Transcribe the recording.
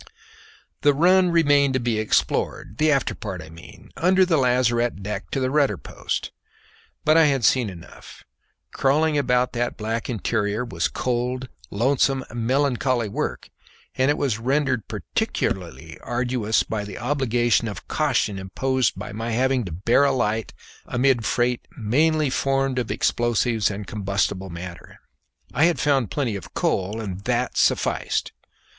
The run remained to be explored the after part, I mean, under the lazarette deck to the rudder post but I had seen enough; crawling about that black interior was cold, lonesome, melancholy work, and it was rendered peculiarly arduous by the obligation of caution imposed by my having to bear a light amid a freight mainly formed of explosives and combustible matter. I had found plenty of coal, and that sufficed.